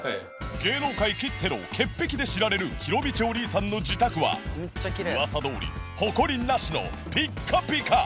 芸能界きっての潔癖で知られるひろみちお兄さんの自宅は噂どおりホコリなしのピッカピカ！